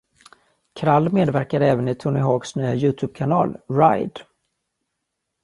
Krall medverkar även i Tony Hawks nya YouTube-kanal, Ride.